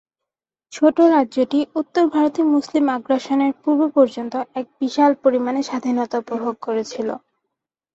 ছোট রাজ্যটি উত্তর ভারতে মুসলিম আগ্রাসনের পূর্ব পর্যন্ত এক বিশাল পরিমাণে স্বাধীনতা উপভোগ করেছিল।